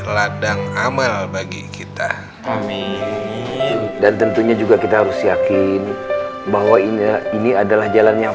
ladang amal bagi kita dan tentunya juga kita harus yakin bahwa ini adalah jalan yang